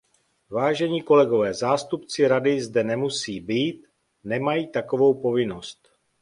Vážení kolegové, zástupci Rady zde nemusí být, nemají takovou povinnost.